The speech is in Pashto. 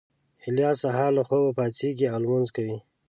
الیاس سهار له خوبه پاڅېږي او لمونځ کوي